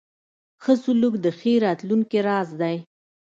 ښه سلوک د ښې راتلونکې راز دی.